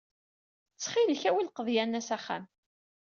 Ttxil-k, awi lqeḍyan-a s axxam.